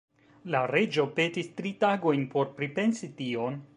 La reĝo petis tri tagojn por pripensi tion.